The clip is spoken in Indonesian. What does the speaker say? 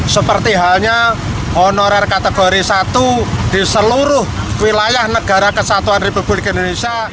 seperti halnya honorer kategori satu di seluruh wilayah negara kesatuan republik indonesia